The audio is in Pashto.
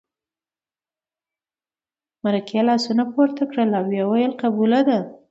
مرکې لاسونه پورته کړل او ویې ویل قبوله ده.